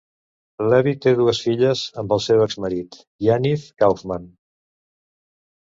Levi té dues filles amb el seu exmarit, Yaniv Kaufman.